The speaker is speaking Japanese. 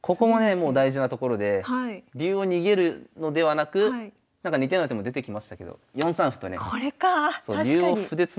もう大事なところで竜を逃げるのではなく似たような手も出てきましたけど４三歩とねなるほど。